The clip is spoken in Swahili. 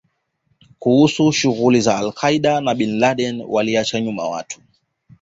kuhusu shughuli za al Qaeda na Bin Laden Waliacha nyuma watu